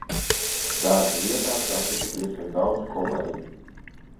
Darba vietā satiku diezgan daudz kolēģu.